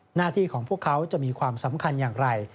หน้าที่ของพวกเขาจะมีความสำคัญอย่างไร